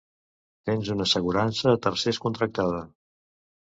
Tens una assegurança a tercers contractada.